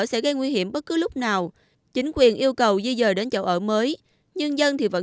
sẽ gây nguy hiểm bất cứ lúc nào chính quyền yêu cầu di dời đến chỗ ở mới nhưng dân thì vẫn